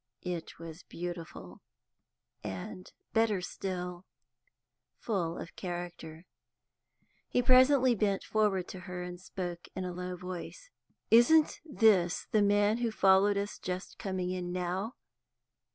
It was beautiful, and, better still, full of character. He presently bent forward to her, and spoke in a low voice. "Isn't this the man who followed us just coming in now?